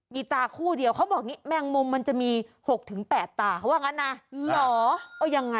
มีตาคู่เดียวเค้าบอกแมงมมมันจะมี๖๘ตาเค้าว่างั้นนะ